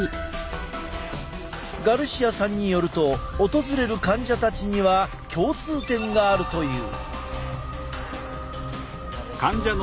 ガルシアさんによると訪れる患者たちには共通点があるという。